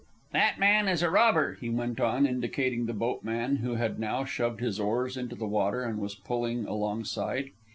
"That man is a robber," he went on, indicating the boatman, who had now shoved his oars into the water and was pulling alongside.